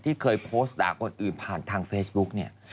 ที่เคยโพสต์ด่าคนอื่นผ่านทางเฟซบุ๊กเนี่ย